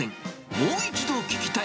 もう一度聞きたい！